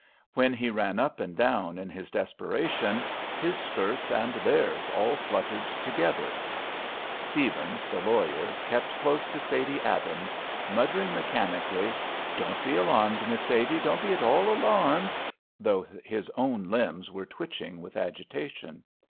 When he ran up and down in his desperation, his skirts and theirs all fluttered together. Stephens, the lawyer, kept close to Sadie Adams, muttering mechanically, "Don't be alarmed, Miss Sadie. Don't be at all alarmed!" though his own limbs were twitching with agitation.